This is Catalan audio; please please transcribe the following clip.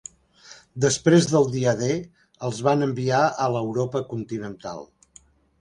Després del dia D, els van enviar a l'Europa continental.